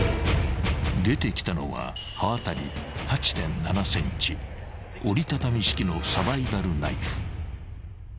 ［出てきたのは刃渡り８．７ｃｍ折り畳み式のサバイバルナイフ］